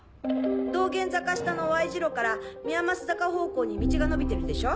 道玄坂下のＹ字路から宮益坂方向に道が延びてるでしょ？